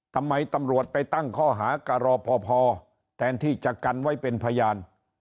ทำไมตำรวจไปตั้งข้อหากับรอพอพอแทนที่จะกันไว้เป็นพยาน